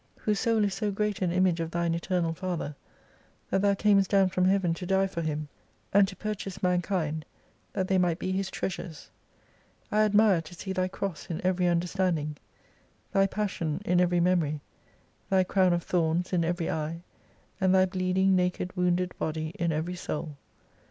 Whose soul is so great an Image of Thine Eternal Father, that Thou camest down from Heaven to die for him, and to purchase mankind that they might be His treasures. I admire to see Thy cross in every understanding/ Thy passion in every memoi7 Thy crown of thorns in every eye, and Thy bleeding naked wounded body in every soul.